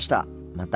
また。